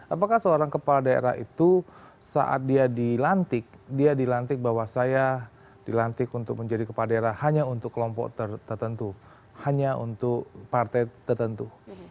apakah seorang kepala daerah itu saat dia dilantik dia dilantik bahwa saya dilantik untuk menjadi kepala daerah hanya untuk kelompok tertentu hanya untuk partai tertentu